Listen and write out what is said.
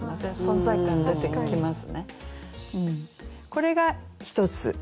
これが一つです。